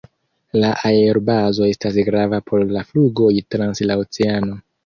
La aerbazo estas grava por la flugoj trans la oceano.